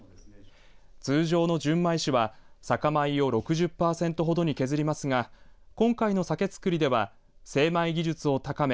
通常の純米酒は酒米を６０パーセントほどに削りますが今回の酒造りでは精米技術を高め